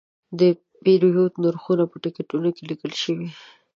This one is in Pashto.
د پیرود نرخونه په ټکټونو لیکل شوي.